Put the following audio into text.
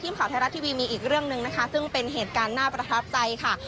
ข่าวไทยรัฐทีวีมีอีกเรื่องหนึ่งนะคะซึ่งเป็นเหตุการณ์น่าประทับใจค่ะ